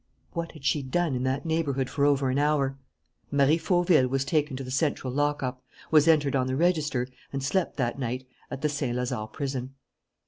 What had she done in that neighbourhood for over an hour? Marie Fauville was taken to the central lockup, was entered on the register, and slept, that night, at the Saint Lazare prison.